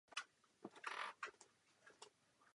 Jejím druhým partnerem je David Hamilton.